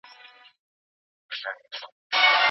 صوفي سمدستي شروع په نصیحت سو